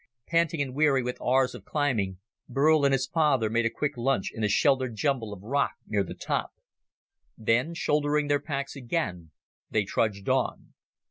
Panting and weary with hours of climbing, Burl and his father made a quick lunch in a sheltered jumble of rock near the top. Then, shouldering their packs again, they trudged on.